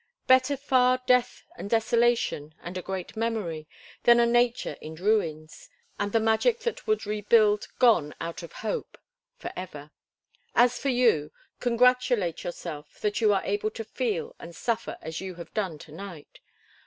Better far death and desolation, and a great memory, than a nature in ruins, and the magic that would rebuild gone out of hope forever. As for you—congratulate yourself that you are able to feel and suffer as you have done to night.